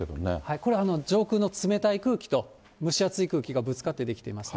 これは上空の冷たい空気と蒸し暑い空気がぶつかって出来ていますね。